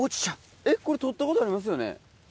これ取ったことありますよね？